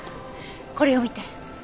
これを見て。